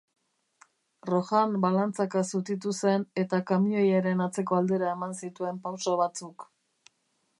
Rohan balantzaka zutitu zen eta kamioiaren atzeko aldera eman zituen pauso batzuk.